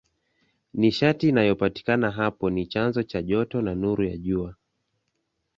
Nishati inayopatikana hapo ni chanzo cha joto na nuru ya Jua.